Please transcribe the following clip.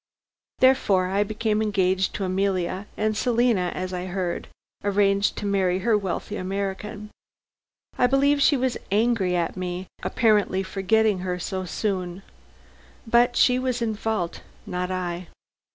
Therefore, I became engaged to Emilia, and Selina as I heard, arranged to marry her wealthy American. I believe she was angry at my apparently forgetting her so soon. But she was in fault, not I."